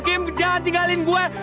kim jangan tinggalin gue